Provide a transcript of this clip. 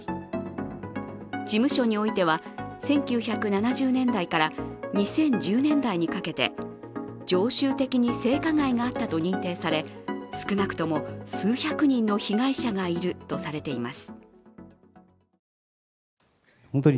事務所においては１９７０年代から２０１０年代にかけて常習的に性加害があったと認定され、少なくとも数百人の被害者がいるとされています。